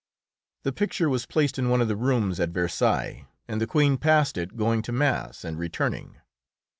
The picture was placed in one of the rooms at Versailles, and the Queen passed it going to mass and returning.